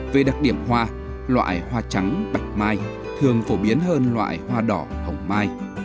về đặc điểm hoa loại hoa trắng bạch mai thường phổ biến hơn loại hoa đỏ hồng mai